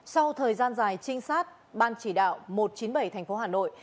sau thời gian dài trinh sát ban chỉ đạo một trăm chín mươi bảy tp hà nội